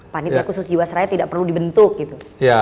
panitia khusus jiwas raya tidak perlu dibentuk gitu